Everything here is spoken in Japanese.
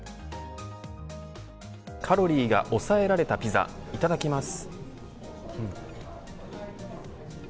カロリーが抑えられたピザいただきます。